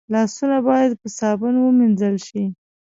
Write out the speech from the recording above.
لاسونه باید په صابون ومینځل شي